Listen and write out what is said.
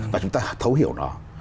và chúng ta thấu hiểu nó